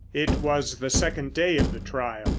It was the second day of the trial.